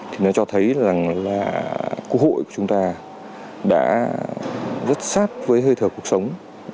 thì nó cho thấy rằng là quốc hội của chúng ta đã rất sát với hơi thở cuộc sống